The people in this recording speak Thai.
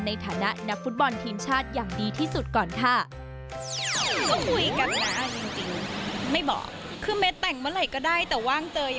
ในฐานะนักฟุตบอลทีมชาติอย่างดีที่สุดก่อนค่ะ